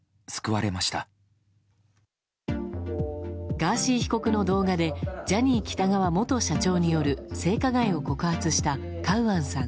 ガーシー被告の動画でジャニー喜多川元社長による性加害を告発したカウアンさん。